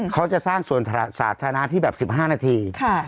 เขาจะสร้างส่วนสาธารณะที่แบบ๑๕นาที